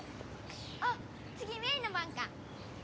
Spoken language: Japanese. あっつぎメイの番か。